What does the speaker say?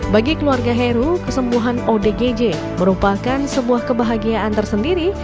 bagi keluarga heru kesembuhan odgj merupakan sebuah kebahagiaan tersendiri